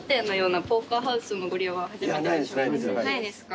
ないですか。